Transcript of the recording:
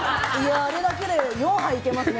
あれだけで４杯いけますね。